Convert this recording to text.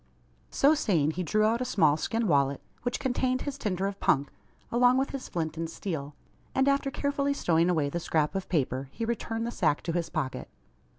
So saying, he drew out a small skin wallet, which contained his tinder of "punk," along with his flint and steel; and, after carefully stowing away the scrap of paper, he returned the sack to his pocket.